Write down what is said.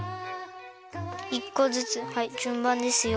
１こずつはいじゅんばんですよ。